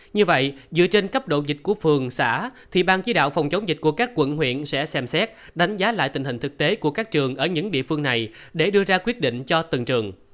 như vậy dựa trên cấp độ dịch của phường xã thì ban chỉ đạo phòng chống dịch của các quận huyện sẽ xem xét đánh giá lại tình hình thực tế của các trường ở những địa phương này để đưa ra quyết định cho từng trường